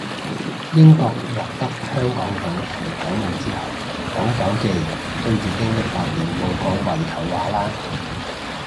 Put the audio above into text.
英國獲得香港島同九龍之後，港九嘅人都已經一百年冇講圍頭話喇